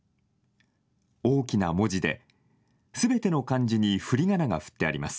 大きな文字で、すべての漢字にふりがなが振ってあります。